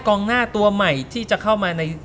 กองหน้าตัวใหม่ที่จะเข้ามาใน